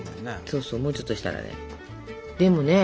そうそうもうちょっとしたらね。